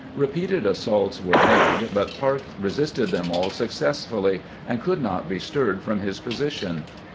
Eepeated assaults were made, but Parke resisted them all successfully, and could not be stuTed from his position.